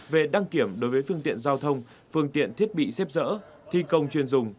về đăng kiểm đối với phương tiện giao thông phương tiện thiết bị xếp dỡ thi công chuyên dùng